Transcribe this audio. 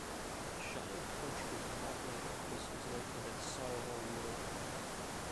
The Shire Country Park ranger office is located at Sarehole Mill.